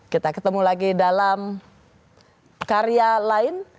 kita ketemu lagi dalam karya lain